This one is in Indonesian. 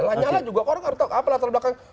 nyala juga orang nggak tahu apa latar belakangnya